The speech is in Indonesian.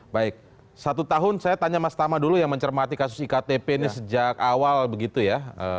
baik satu tahun saya tanya mas tama dulu yang mencermati kasus iktp ini sejak awal begitu ya